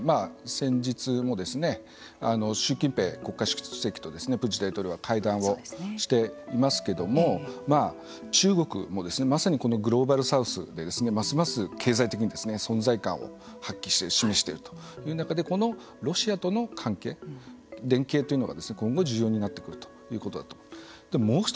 先日も習近平国家主席とプーチン大統領が会談をしていますけれども中国も、まさにこのグローバルサウスでますます経済的に存在感を発揮して示しているという中でこのロシアとの関係連携というのが、今後重要になってくるということだと思います。